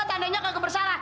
tandanya kagak bersalah